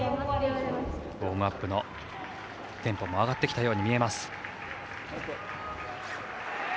ウォームアップのテンポも上がってきたように見えます。